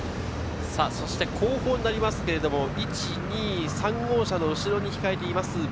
そして後方になりますけれども１、２、３号車の後ろに控えています